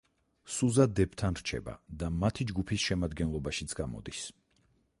სუზა დებთან რჩება და მათი ჯგუფის შემადგენლობაშიც გამოდის.